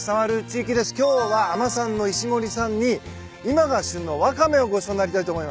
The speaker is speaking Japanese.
今日は海女さんの石森さんに今が旬のワカメをごちそうになりたいと思います。